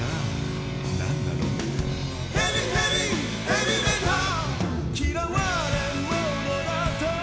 「ヘビヘビヘビメタ」「嫌われものだと」